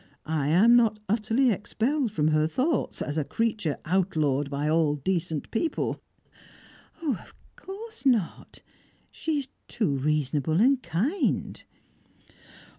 I am not utterly expelled from her thoughts, as a creature outlawed by all decent people " "Of course not. She is too reasonable and kind."